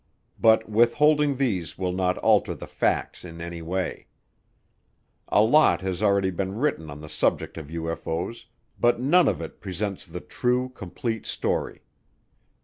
But withholding these will not alter the facts in any way. A lot has already been written on the subject of UFO's, but none of it presents the true, complete story.